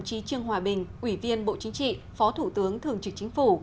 lễ có đồng chí trương hòa bình ủy viên bộ chính trị phó thủ tướng thường trực chính phủ